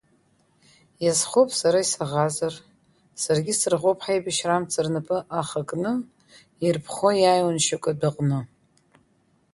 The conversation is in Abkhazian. Иазхоуп сара исаӷазар, саргьы сраӷоуп хаибашьра амца рнапы ахакны, ирԥхо иааиуан шьоукы адәаҟны.